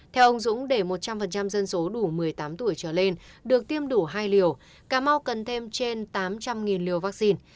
theo ông dũng để một trăm linh dân số đủ một mươi tám tuổi trở lên được tiêm đủ hai liều cà mau cần thêm trên tám trăm linh liều vaccine